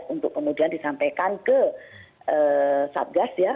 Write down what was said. untuk kemudian disampaikan ke satgas ya